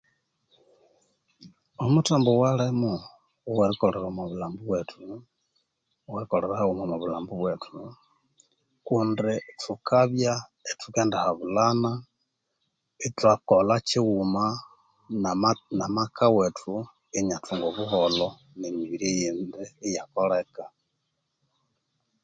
Omuthambo owalimo owerikolera omwa bulhambu bwethu owerikolera haghuma omwa bulhambu bwethu kundi thukabya ithukendihabulhana ithwakolha kyighuma na na maka wethu inyathunga obuholho ne mibiri yindi iyakoleka